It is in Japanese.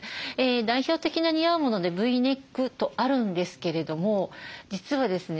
代表的な似合うものでＶネックとあるんですけれども実はですね